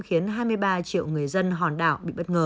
khiến hai mươi ba triệu người dân hòn đảo bị bất ngờ